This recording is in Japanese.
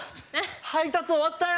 配達終わったよ。